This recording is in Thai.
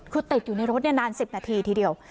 คือติดอยู่ในรถนาน๑๐นาทีทีเดียว